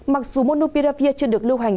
mặc dù monopiravir chưa được lưu hành